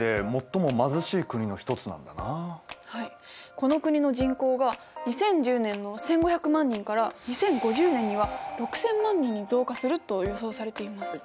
この国の人口が２０１０年の１，５００万人から２０５０年には６，０００万人に増加すると予想されています。